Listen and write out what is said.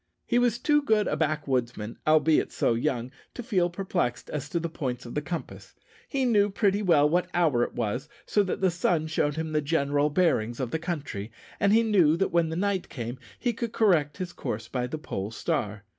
He was too good a backwoodsman, albeit so young, to feel perplexed as to the points of the compass. He knew pretty well what hour it was, so that the sun showed him the general bearings of the country, and he knew that when night came he could correct his course by the pole star.